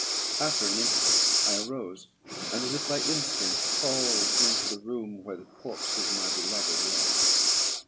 After an interval, I arose, and, as if by instinct, crawled into the room where the corpse of my beloved lay.